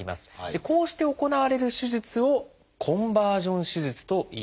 こうして行われる手術を「コンバージョン手術」といいます。